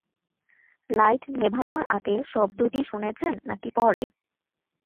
Light নেভানোর আগে শব্দটা শুনেছেন নাকি পরে?